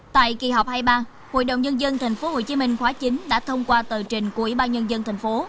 tại kỳ họp hai mươi ba hội đồng nhân dân tp hcm khóa chín đã thông qua tờ trình của ủy ban nhân dân tp